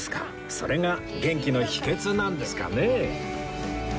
それが元気の秘訣なんですかね？